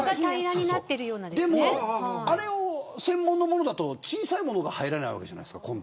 でもあれを専門の物だと小さい物が入らないじゃないですか。